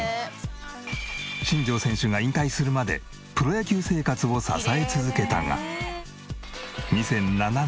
新庄選手が引退するまでプロ野球生活を支え続けたが。